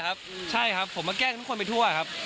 ดูซีกแพคได้ครับ